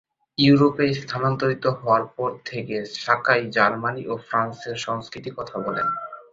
ইউরোপে স্থানান্তরিত হওয়ার পর থেকে সাকাই জার্মানি ও ফ্রান্সের সংস্কৃতির কথা বলেন।